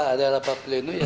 kenapa ada rapat pleno